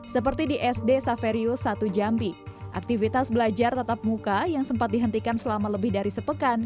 seperti di sd saverio satu jambi aktivitas belajar tetap muka yang sempat dihentikan selama lebih dari sepekan